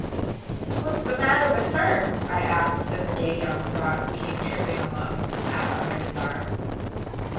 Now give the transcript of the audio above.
"What's the matter with her?" I asked of a gay young frog who came tripping along with his hat under his arm.